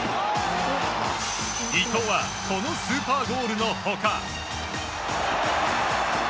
伊東はこのスーパーゴールの他。